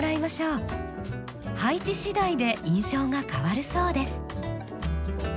配置しだいで印象が変わるそうです。